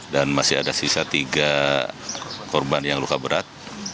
dan masih ada sisa tiga korban yang luka berat